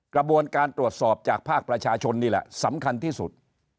กระบวนการตรวจสอบจากภาคประชาชนนี่แหละสำคัญที่สุด